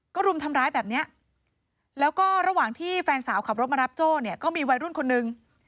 ก็รุมทำร้ายแบบเนี้ยแล้วก็ระหว่างที่แฟนสาวขับรถมารับโจ้เนี่ยก็มีวัยรุ่นคนนึง